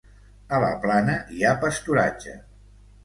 A la plana hi ha pasturatge.